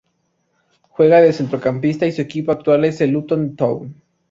Juega de centrocampista y su equipo actual es el Luton Town.